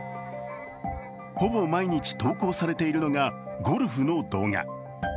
ほぼ毎日投稿されているのがゴルフの動画。